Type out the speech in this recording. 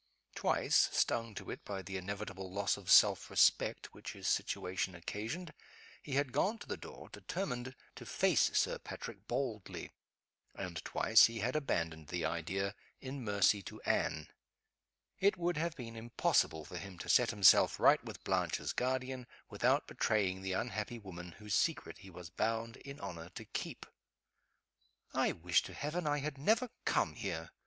Twice stung to it by the inevitable loss of self respect which his situation occasioned he had gone to the door, determined to face Sir Patrick boldly; and twice he had abandoned the idea, in mercy to Anne. It would have been impossible for him to set himself right with Blanche's guardian without betraying the unhappy woman whose secret he was bound in honor to keep. "I wish to Heaven I had never come here!"